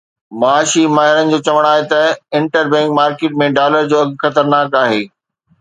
معاشي ماهرن جو چوڻ آهي ته انٽر بئنڪ مارڪيٽ ۾ ڊالر جو اگهه خطرناڪ آهي